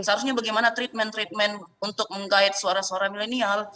seharusnya bagaimana treatment treatment untuk menggait suara suara milenial